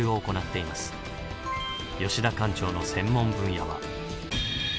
吉田館長の専門分野は。